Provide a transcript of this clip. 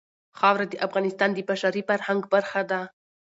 خاوره د افغانستان د بشري فرهنګ برخه ده.